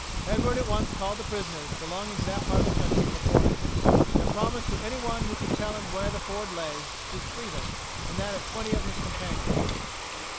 Edward at once called the prisoners belonging to that part of the country before him, and promised to any one who would tell him where the ford lay his freedom and that of twenty of his companions.